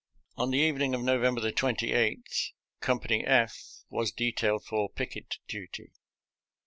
On the evening of November 28 Company F was detailed for picket duty.